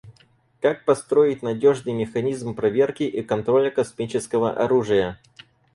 Как построить надежный механизм проверки и контроля космического оружия?